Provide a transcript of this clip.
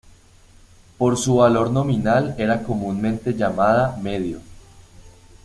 Por su valor nominal era comúnmente llamada medio.